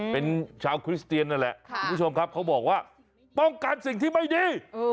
เป็นชาวคริสเตียนนั่นแหละคุณผู้ชมครับเขาบอกว่าป้องกันสิ่งที่ไม่ดี